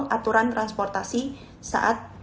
aturan transportasi saat